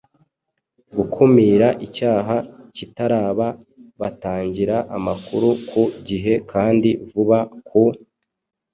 gukumira icyaha kitaraba batangira amakuru ku gihe kandi vuba. Ku